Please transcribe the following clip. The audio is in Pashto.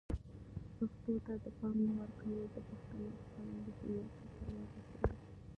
پښتو ته د پام نه ورکول د پښتنو د فرهنګی هویت ته تاوان رسوي.